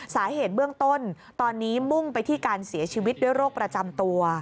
สาเหตุเบื้องต้นตอนนี้มุ่งไปที่การเสียชีวิตด้วยโรคประจำตัว